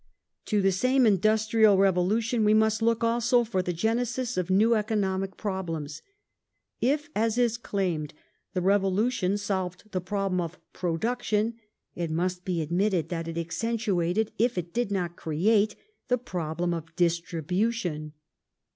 The ec To the same industrial revolution we must look also for the °"°^^^q£ genesis of new economic problems. If, as is claimed, the Revolu distri tion solved the problem of " production," it must be admitted that it accentuated, if it did not create, the problem of i' distribution